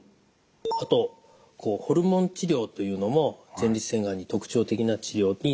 あとホルモン治療というのも前立腺がんに特徴的な治療になると思います。